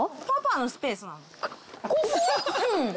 うん。